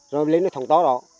rồi lên cái thống to đó